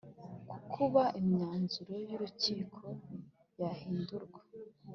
kukuba imyanzuro y’urukiko yahindurwa”